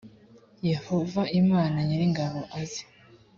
yehova imana nyir’ ingabo aze